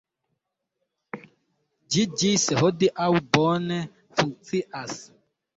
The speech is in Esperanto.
Ĝi ĝis hodiaŭ bone funkcias.